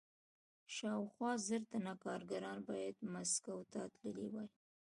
شاوخوا زر تنه کارګران باید مسکو ته تللي وای